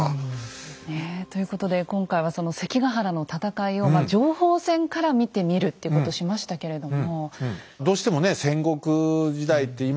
ねえ。ということで今回はその関ヶ原の戦いを情報戦から見てみるっていうことをしましたけれども。